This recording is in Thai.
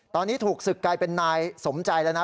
ตอนนี้ถูกศึกกลายเป็นนายสมใจแล้วนะ